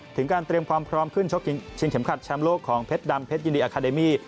ถึงการเตรียมความพร้อมขึ้นชกชิงเข็มขัดแชมป์โลกของเพชรดำเพชรยินดีอาคาเดมี่